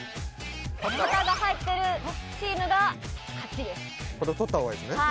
旗が入ってるチームが勝ちです。